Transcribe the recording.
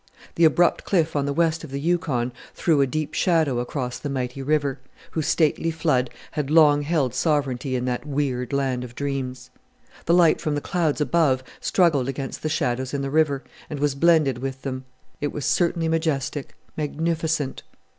The abrupt cliff on the west of the Yukon threw a deep shadow across the mighty river, whose stately flood had long held sovereignty in that weird land of dreams. The light from the clouds above struggled against the shadows in the river, and was blended with them. It was certainly majestic, magnificent!